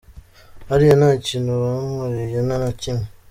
Hariya nta kintu bankoreye, nta na kimwe.